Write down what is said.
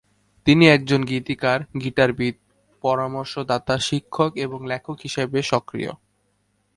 তিনি একজন গীতিকার, গিটারবাদক, পরামর্শদাতা, শিক্ষক এবং লেখক হিসেবে সক্রিয়।